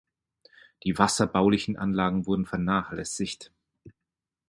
Die wasserbaulichen Anlagen wurden vernachlässigt.